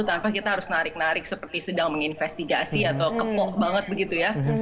tanpa kita harus narik narik seperti sedang menginvestigasi atau kepok banget begitu ya